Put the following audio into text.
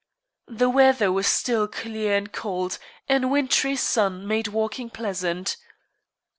The weather was still clear and cold, and a wintry sun made walking pleasant.